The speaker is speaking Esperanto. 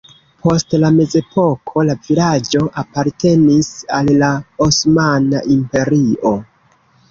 Post la mezepoko la vilaĝo apartenis al la Osmana Imperio.